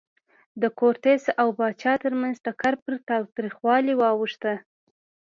د کورتس او پاچا ترمنځ ټکر پر تاوتریخوالي واوښت.